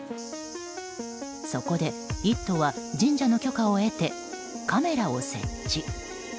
そこで、「イット！」は神社の許可を得てカメラを設置。